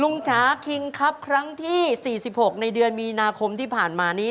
จ๋าคิงครับครั้งที่๔๖ในเดือนมีนาคมที่ผ่านมานี้